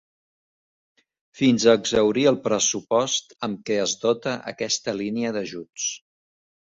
Fins a exhaurir el pressupost amb què es dota aquesta línia d'ajuts.